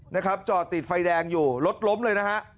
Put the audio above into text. นะครับจอดติดไฟแดงอยู่รถล้มเลยนะฮะ